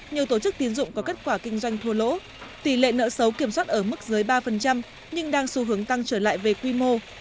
nhiều tổ chức tiến dụng có kết quả kinh doanh thua lỗ tỷ lệ nợ xấu kiểm soát ở mức dưới ba nhưng đang xu hướng tăng trở lại về quy mô